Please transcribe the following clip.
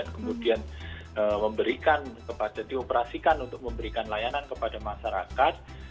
kemudian dioperasikan untuk memberi layanan kepada masyarakat